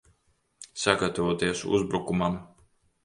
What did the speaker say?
Sagatavoties uzbrukumam!